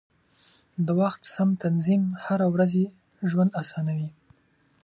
د وخت سم تنظیم هره ورځي ژوند اسانوي.